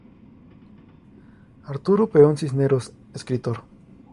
Arturo Peón Cisneros: Escritor.